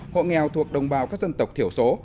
hộ nghèo thuộc đồng bào các dân tộc thiểu số